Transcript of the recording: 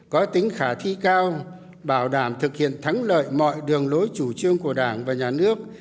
có tính khả thi cao bảo đảm thực hiện thắng lợi mọi đường lối chủ trương của đảng và nhà nước